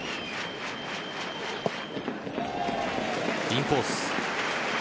インコース。